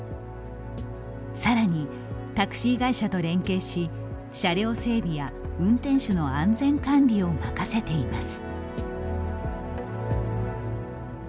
さらに、タクシー会社と連携し車両整備や運転手の安全管理を任せています。